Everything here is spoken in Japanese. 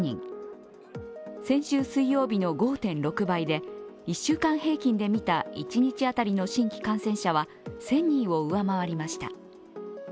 先週水曜日の５．６倍で１週間平均で見た一日当たりの新規感染者は１０００人を上回りました。